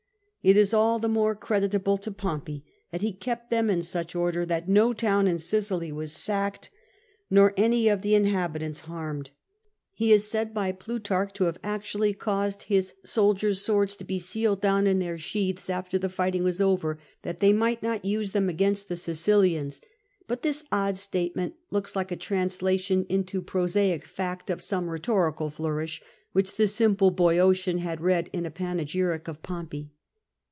It is all the more creditable to X^ompey that he kept them in such order that no town in Kicily was sacked nor any of the inhabitants harmed. He is said by Plutarch to have 240 POMPEY actually caused his soldiers' swords to be sealed down in their sheaths, after the fighting was over, that they might not use them against the Sicilians. But this odd state ment looks like a translation into prosaic fact of some rhetorical flourish, which the simple old Boeotian had read in a panegyric of Pompey.